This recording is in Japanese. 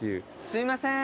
すみません。